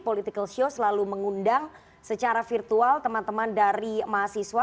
political show selalu mengundang secara virtual teman teman dari mahasiswa